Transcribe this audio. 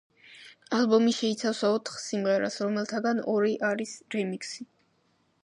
ალბომი შეიცავს ოთხ სიმღერას, რომელთაგან ორი არის რემიქსი.